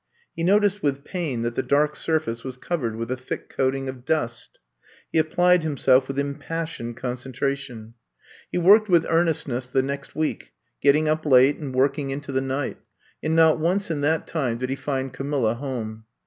He no ticed with pain that the dark surface was covered with a thick coating of dust. He applied himself with impassioned concen tration. I'VE COMB TO STAY 97 He worked with earnestness the next week, getting up late and working into the night, and not once in that time did he find Camilla home.